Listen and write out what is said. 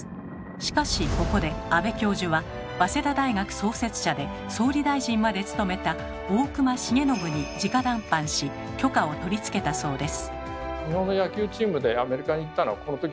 しかしここで安部教授は早稲田大学創設者で総理大臣まで務めた大隈重信に直談判し許可を取り付けたそうです。